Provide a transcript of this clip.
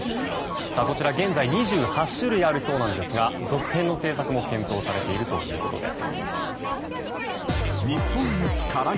こちら、現在２８種類あるそうなんですが続編の制作も検討されているということです。